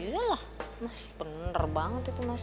yalah mas bener banget itu mas